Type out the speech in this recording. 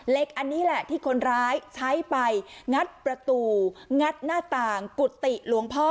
อันนี้แหละที่คนร้ายใช้ไปงัดประตูงัดหน้าต่างกุฏิหลวงพ่อ